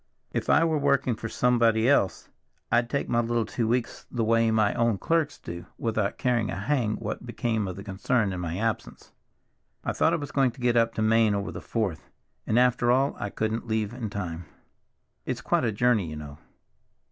If I were working for somebody else I'd take my little two weeks the way my own clerks do, without caring a hang what became of the concern in my absence. I thought I was going to get up to Maine over the Fourth, and after all I couldn't leave in time. It's quite a journey, you know.